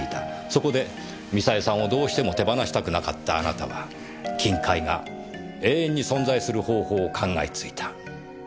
そこでミサエさんをどうしても手放したくなかったあなたは金塊が永遠に存在する方法を考えついた。